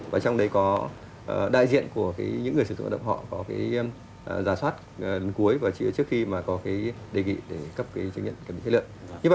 và trong đấy có đại diện của những người sử dụng lao động họ có cái giả soát đến cuối và trước khi mà có cái đề nghị để cấp cái chứng nhận kiểm định chất lượng